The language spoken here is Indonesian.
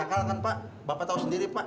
nakal nakal kan pak bapak tau sendiri pak